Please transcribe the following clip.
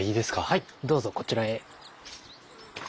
はいどうぞこちらへ。